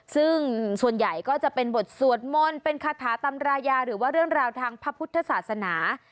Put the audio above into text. ซึ่งส่วนใหญ่ก็จะเป็นบทสวดมนต์เป็นคาถาตำรายาหรือว่าเรื่องราวทางพระพุทธศาสนา